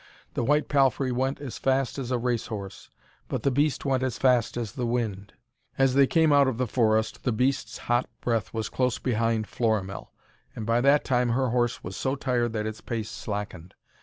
The white palfrey went as fast as a race horse, but the beast went as fast as the wind. As they came out of the forest, the beast's hot breath was close behind Florimell. And by that time her horse was so tired that its pace slackened.